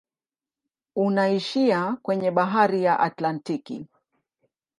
Unaishia kwenye bahari ya Atlantiki.